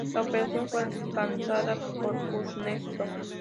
La operación fue organizada por Kuznetsov.